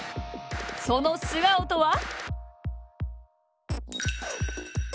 その素顔とは？